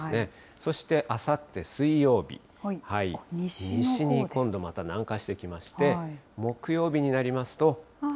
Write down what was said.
そしてあさって水曜日、西に今度また、南下してきまして、木曜日になりますと。